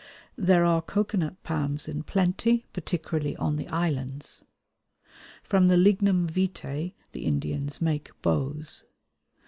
There are cocoanut palms in plenty, particularly on the islands. From the Lignum vitæ the Indians make bows.